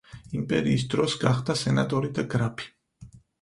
იმპერიის დროს გახდა სენატორი და გრაფი.